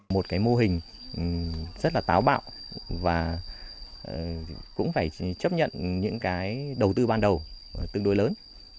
một cái mô hình rất là táo bạo và cũng phải chấp nhận những cái đầu tư ban đầu tương đối lớn